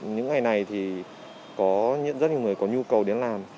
những ngày này thì có rất nhiều người có nhu cầu đến làm